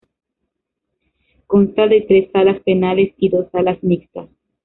Consta de tres Salas Penales y dos Salas Mixtas.